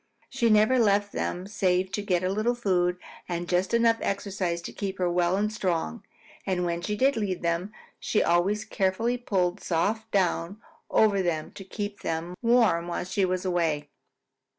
She never left them save to get a little food and just enough exercise to keep her well and strong, and when she did leave them, she always carefully pulled soft down over them to keep them warm while she was away.